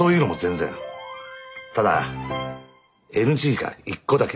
ただＮＧが１個だけ。